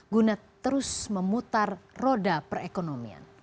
guna terus memutar roda perekonomian